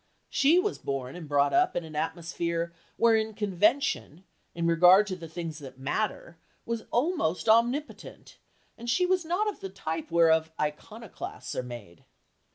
She was born and brought up in an atmosphere wherein convention, in regard to the things that matter, was almost omnipotent, and she was not of the type whereof iconoclasts are made.